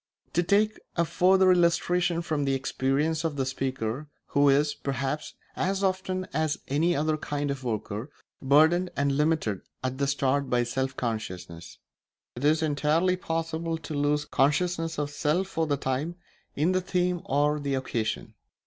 To take a further illustration from the experience of the speaker, who is, perhaps, as often as any other kind of worker, burdened and limited at the start by self consciousness: it is entirely possible to lose consciousness of self for the time in the theme or the occasion.